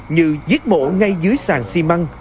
như giết mổ ngay dưới sàn xi măng